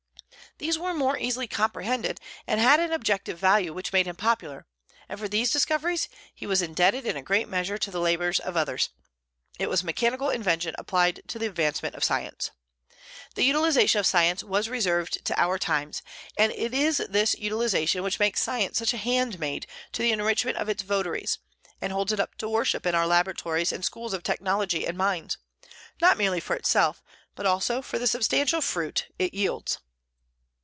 These were more easily comprehended, and had an objective value which made him popular: and for these discoveries he was indebted in a great measure to the labors of others, it was mechanical invention applied to the advancement of science. The utilization of science was reserved to our times; and it is this utilization which makes science such a handmaid to the enrichment of its votaries, and holds it up to worship in our laboratories and schools of technology and mines, not merely for itself, but also for the substantial fruit it yields.